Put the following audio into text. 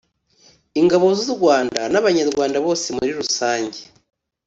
ingabo z’u Rwanda n’Abanyarwanda bose muri rusange